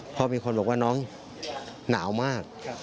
เพราะมีคนบอกว่าน้องหนาวมาก